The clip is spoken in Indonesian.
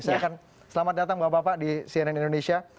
saya akan selamat datang bapak bapak di cnn indonesia